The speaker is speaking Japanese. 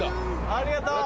ありがとう。